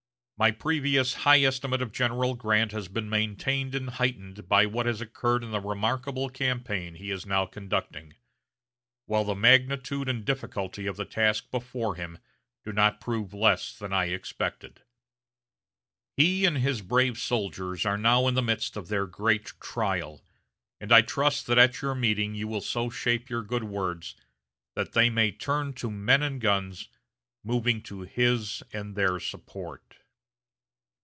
My previous high estimate of General Grant has been maintained and heightened by what has occurred in the remarkable campaign he is now conducting, while the magnitude and difficulty of the task before him do not prove less than I expected. He and his brave soldiers are now in the midst of their great trial, and I trust that at your meeting you will so shape your good words that they may turn to men and guns, moving to his and their support."